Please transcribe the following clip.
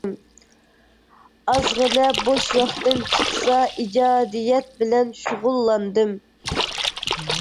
ئازغىنە بوش ۋاقتىم چىقسا ئىجادىيەت بىلەن شۇغۇللاندىم.